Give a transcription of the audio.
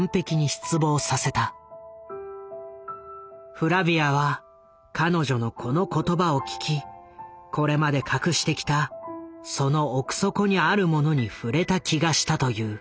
フラヴィアは彼女のこの言葉を聞きこれまで隠してきたその奥底にあるものに触れた気がしたという。